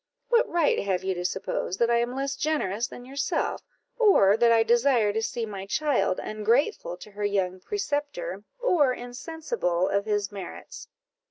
what right have you to suppose that I am less generous than yourself, or that I desire to see my child ungrateful to her young preceptor, or insensible of his merits?"